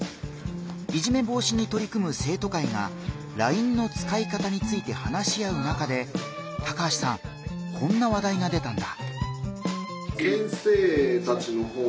いじめ防止にとり組む生徒会がＬＩＮＥの使い方について話し合う中で高橋さんこんな話題が出たんだ。